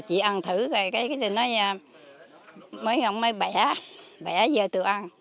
chị ăn thử rồi mấy ông mới bẻ bẻ vô tôi ăn